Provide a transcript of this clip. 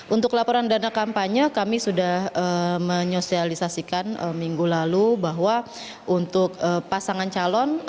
untuk laporan dana kampanye kami sudah menyosialisasikan minggu lalu bahwa untuk pasangan calon